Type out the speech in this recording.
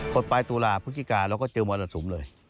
บริสุทธิ์ตุลาภุรกิกาเราก็เจอมวลสสุมเลย